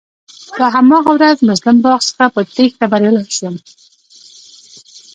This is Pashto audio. په هماغه ورځ مسلم باغ څخه په تېښته بريالی شوم.